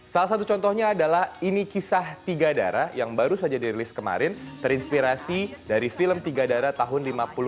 salah satu contohnya adalah ini kisah tiga darah yang baru saja dirilis kemarin terinspirasi dari film tiga darah tahun seribu sembilan ratus lima puluh